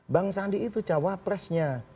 bang sandi itu cawapresnya